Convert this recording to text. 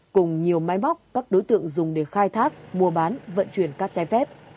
cùng nhiều máy móc các đối tượng dùng để khai thác mua bán vận chuyển cát trái phép